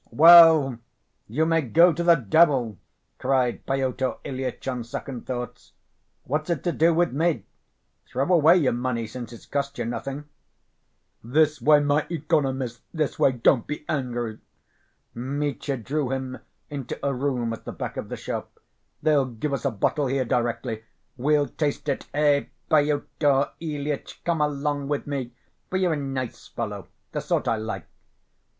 "Well, you may go to the devil!" cried Pyotr Ilyitch, on second thoughts. "What's it to do with me? Throw away your money, since it's cost you nothing." "This way, my economist, this way, don't be angry." Mitya drew him into a room at the back of the shop. "They'll give us a bottle here directly. We'll taste it. Ech, Pyotr Ilyitch, come along with me, for you're a nice fellow, the sort I like."